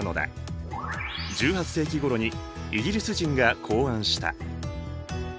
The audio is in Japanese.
１８世紀ごろにイギリス人が考案した。